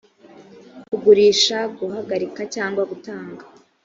kugurisha guhagarika cyangwa gutanga